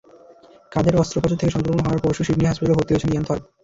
কাঁধের অস্ত্রোপচার থেকে সংক্রমণ হওয়ায় পরশু সিডনি হাসপাতালে ভর্তি হয়েছেন ইয়ান থর্প।